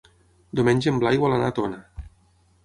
Diumenge en Blai vol anar a Tona.